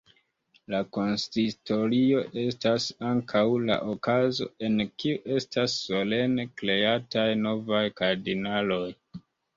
La konsistorio estas ankaŭ la okazo en kiu estas solene "kreataj" novaj kardinaloj.